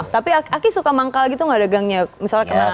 tapi aki suka manggal gitu nggak degangnya misalnya kena sapal pepe